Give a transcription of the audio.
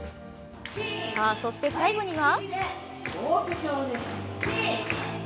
そして、最後には。